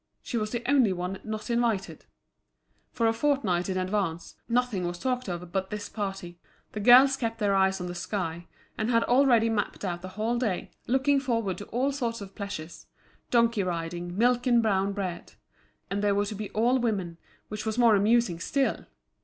She was the only one not invited. For a fortnight in advance, nothing was talked of but this party; the girls kept their eyes on the sky, and had already mapped out the whole day, looking forward to all sorts of pleasures: donkey riding, milk and brown bread. And they were to be all women, which was more amusing still!